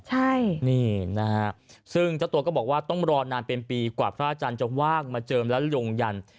ใช่นี่นะฮะซึ่งเจ้าตัวก็บอกว่าต้องรอนานเป็นปีกว่าพระอาจารย์จะว่างมาเจิมและลงยัน